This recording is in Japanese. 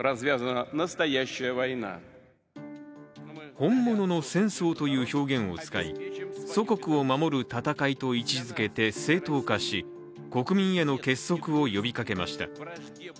本物の戦争という表現を使い祖国を守る戦いと位置づけて正当化し、国民への結束を呼びかけました。